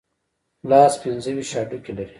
لاس پنځه ویشت هډوکي لري.